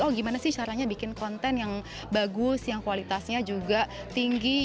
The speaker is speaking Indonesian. oh gimana sih caranya bikin konten yang bagus yang kualitasnya juga tinggi